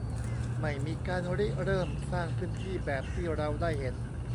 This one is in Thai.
ไม่มีการริเริ่มสร้างพื้นที่แบบที่เราได้เห็น